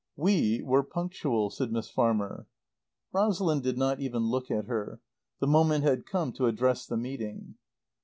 "We were punctual," said Miss Farmer. Rosalind did not even look at her. The moment had come to address the meeting.